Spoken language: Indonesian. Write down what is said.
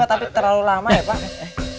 tapi terlalu lama ya pak